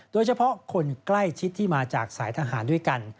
โดยเฉพาะคนใกล้ชิดที่มาจากสายทหารด้วยกัน